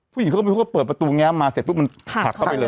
ผู้หญิงเขาก็ไม่รู้เขาเปิดประตูแง้มมาเสร็จปุ๊บมันผลักเข้าไปเลย